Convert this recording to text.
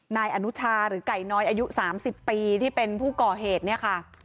นายอนุชาหรือไก่น้อยอายุ๓๐ปีที่เป็นผู้ก่อเหตุเนี่ยค่ะ